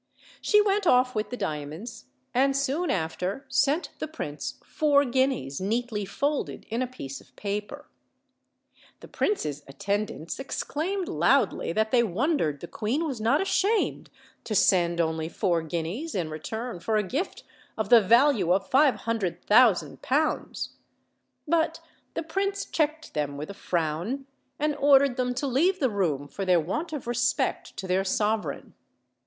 She went off with the diamonds, and soon after sent the prince four guineas neatly folded in a piece of paper. The prince's attendants exclaimed loudly that they wondered the queen was not ashamed to send only four guineas in return for a gift of the value of five hundred thousand pounds; but the prince checked them with a frown, and ordered them to leave the room for their want of respect to their sovereign.